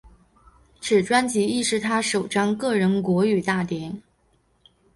此专辑亦是他首张个人国语大碟。